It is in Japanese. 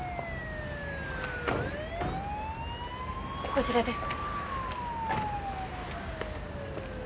こちらです。